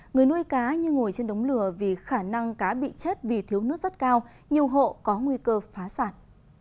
người nuôi cá như ngồi trên đống lửa vì khả năng cá bị chết vì thiếu nước rất cao nhiều hộ có nguy cơ phá sản